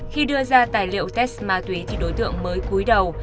khi đưa ra tài liệu test ma túy thì đối tượng mới cúi đầu